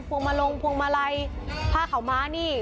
วงมาลงพวงมาลัยผ้าขาวม้านี่